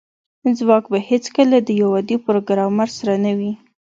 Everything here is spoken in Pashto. ځواک به هیڅکله د یو عادي پروګرامر سره نه وي